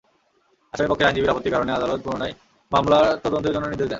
আসামিপক্ষের আইনজীবীর আপত্তির কারণে আদালত পুনরায় মামলার তদন্তের জন্য নির্দেশ দেন।